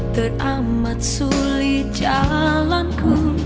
teramat sulit jalanku